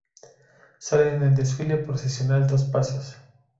Salen en desfile procesional dos pasos.